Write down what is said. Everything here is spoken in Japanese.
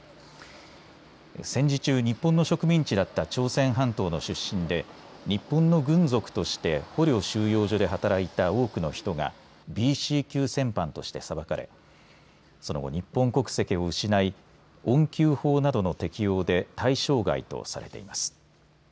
戦時中、日本の植民地だった朝鮮半島の出身で日本の軍属として捕虜収容所で働いた多くの人がＢＣ級戦犯として裁かれその後、日本国籍を失い恩給法などの適用で対象外とされています。